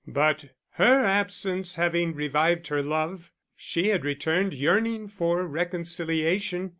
But her absence having revived her love, she had returned, yearning for reconciliation.